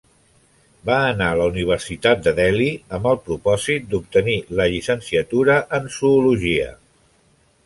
Va anar a la Universitat de Delhi amb el propòsit d'obtenir la llicenciatura en Zoologia.